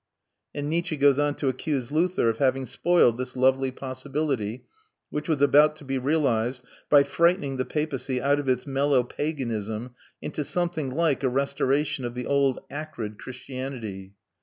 And Nietzsche goes on to accuse Luther of having spoiled this lovely possibility, which was about to be realised, by frightening the papacy out of its mellow paganism into something like a restoration of the old acrid Christianity.